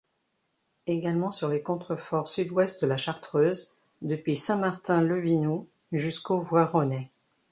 Également sur les contreforts sud-ouest de la Chartreuse, depuis Saint-Martin-Le-Vinoux jusqu'au Voironnais.